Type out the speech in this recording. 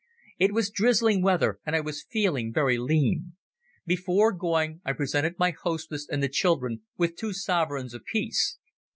It was drizzling weather, and I was feeling very lean. Before going I presented my hostess and the children with two sovereigns apiece.